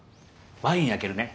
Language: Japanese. ワイン開けるね。